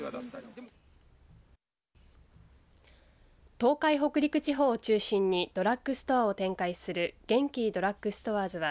東海北陸地方を中心にドラッグストアを展開するゲンキードラッグストアーズは